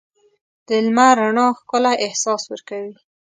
د لمر رڼا ښکلی احساس ورکوي.